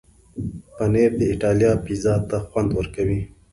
پنېر د ایټالیا پیزا ته خوند ورکوي.